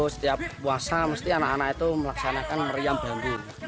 setiap puasa mesti anak anak itu melaksanakan meriam bambu